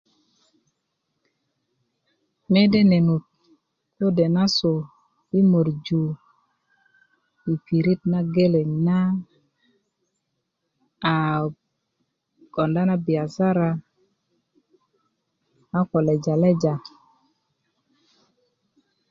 mede nenut kode' nasu yi morju yi pirit na geleŋ na a konda na biyasara a ko lejaleja